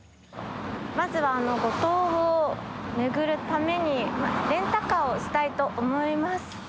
まずは五島を巡るためにレンタカーをしたいと思います。